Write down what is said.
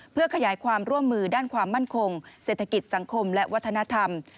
เพื่อขยายความร่วมมือด้านความมั่นคงเศรษฐกิจสังคมและวัฒนธรรม